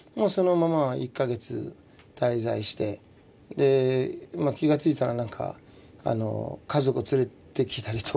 で気がついたらなんか家族を連れてきたりとかですね